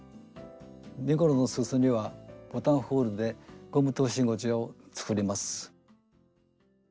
身ごろのすそにはボタンホールでゴム通し口を作ります。